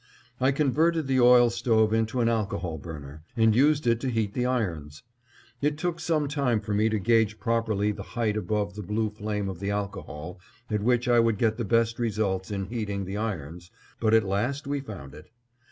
I converted the oil stove into an alcohol burner, and used it to heat the irons. It took some time for me to gauge properly the height above the blue flame of the alcohol at which I would get the best results in heating the irons, but at last we found it.